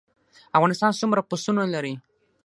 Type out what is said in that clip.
افغانستان څومره پسونه لري؟